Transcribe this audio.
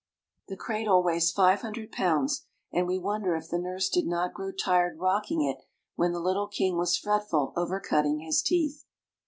The cradle weighs five hundred pounds, and we wonder if the nurse did not grow tired rocking it when the little king was fretful over cutting his teeth.